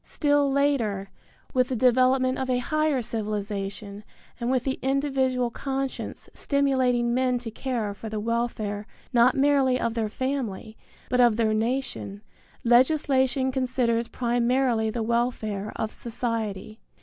Still later, with the development of a higher civilization and with the individual conscience stimulating men to care for the welfare not merely of their family, but of their nation, legislation considers primarily the welfare of society.